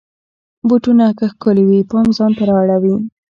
بوټونه که ښکلې وي، پام ځان ته را اړوي.